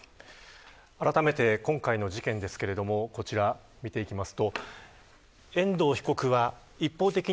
あらためて今回の事件ですけれどもこちら見ていきます。